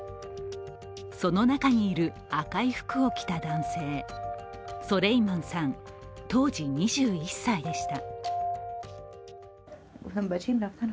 その中にいる赤い服を着た男性、ソレイマンさん、当時２１歳でした。